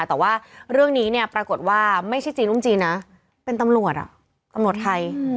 แต่ว่าเรื่องนี้เนี่ยปรากฏว่าไม่ใช่จีนรุ่นจีนนะเป็นตำรวจตำรวจไทย